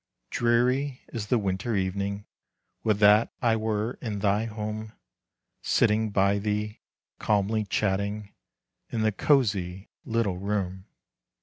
Dreary is the winter evening: Would that I were in thy home, Sitting by thee, calmly chatting, In the cosy little room.